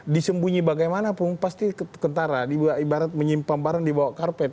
disembunyi bagaimanapun pasti kentara ibarat menyimpang barang di bawah karpet